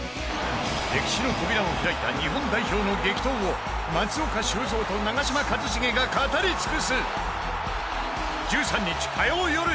歴史の扉を開いた日本代表の激闘を松岡修造と長嶋一茂が語り尽くす！